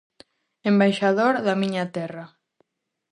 Embaixador da miña terra.